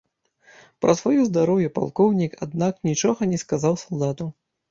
Пра сваё здароўе палкоўнік, аднак, нічога не сказаў салдату.